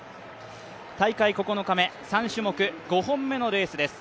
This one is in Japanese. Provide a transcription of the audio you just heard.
大会９日目、３種目５本目のレースです。